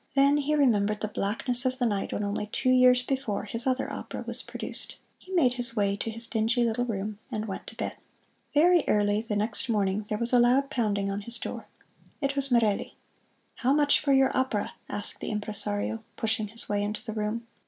Then he remembered the blackness of the night when only two years before his other opera was produced. He made his way to his dingy little room and went to bed. Very early the next morning there was a loud pounding on his door. It was Merelli. "How much for your opera?" asked the impresario, pushing his way into the room.